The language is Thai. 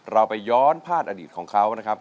เราไปย้อนพลาดอดีตของเขานะครับ